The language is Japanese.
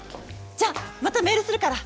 じゃまたメールするから！